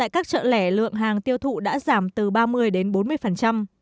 các chợ lẻ lượng hàng tiêu thụ đã giảm từ ba mươi đến bốn mươi